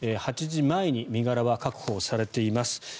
８時前に身柄は確保されています。